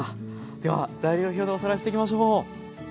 では材料表でおさらいしていきましょう。